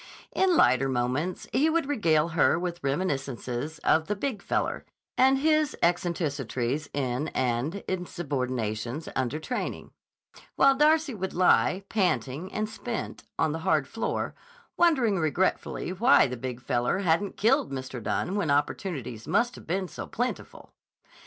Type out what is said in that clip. In lighter moments he would regale her with reminiscences of the Big Feller and his eccentricities in and insubordinations under training, while Darcy would lie, panting and spent, on the hard floor, wondering regretfully why the Big Feller hadn't killed Mr. Dunne when opportunities must have been so plentiful.